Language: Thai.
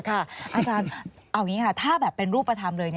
อาจารย์เอาอย่างนี้ค่ะถ้าแบบเป็นรูปธรรมเลย